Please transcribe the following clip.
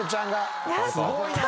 すごいな。